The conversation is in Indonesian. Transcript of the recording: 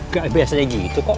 gak biasanya gitu kok